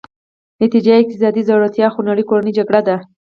نتیجه یې اقتصادي ځوړتیا او خونړۍ کورنۍ جګړې دي.